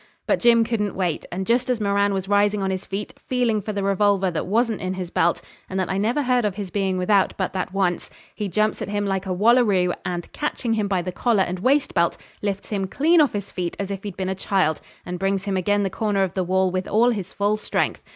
But Jim couldn't wait; and just as Moran was rising on his feet, feeling for the revolver that wasn't in his belt (and that I never heard of his being without but that once), he jumps at him like a wallaroo, and, catching him by the collar and waist belt, lifts him clean off his feet as if he'd been a child, and brings him agen the corner of the wall with all his full strength.